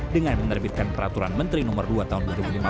dengan menerbitkan peraturan menteri no dua tahun dua ribu lima belas